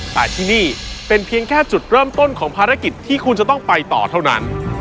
แต่ที่นี่เป็นเพียงแค่จุดเริ่มต้นของภารกิจที่คุณจะต้องไปต่อเท่านั้น